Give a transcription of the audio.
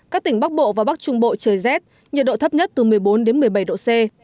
các tỉnh bắc bộ và bắc trung bộ trời rét nhiệt độ thấp nhất từ một mươi bốn đến một mươi bảy độ c